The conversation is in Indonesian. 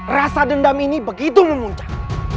rasa dendam ini begitu memuncah